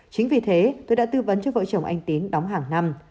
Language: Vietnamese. chính vì thế tôi đã tư vấn cho vợ chồng anh tín đóng hàng năm